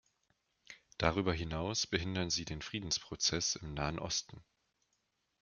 Darüber hinaus behindern sie den Friedensprozess im Nahen Osten.